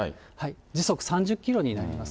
時速３０キロになります。